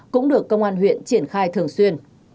cũng được công an huyện triển khai thường xuyên